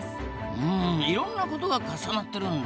うんいろんなことが重なってるんだ。